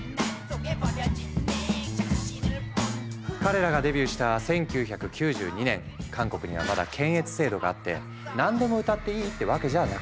彼らがデビューした１９９２年韓国にはまだ検閲制度があって何でも歌ってイイってわけじゃなかった。